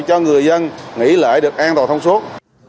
cho người dân nghỉ lễ được an toàn thông suốt